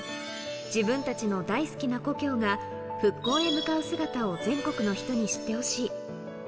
自分たちの大好きな故郷が復興へ向かう姿を全国の人に知ってほしい。